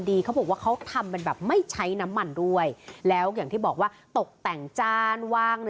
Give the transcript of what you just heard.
เขาบอกว่าเขาทำเป็นแบบไม่ใช้น้ำมันด้วยแล้วอย่างที่บอกว่าตกแต่งจานว่าง